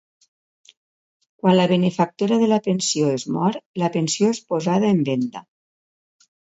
Quan la benefactora de la pensió es mor, la pensió és posada en venda.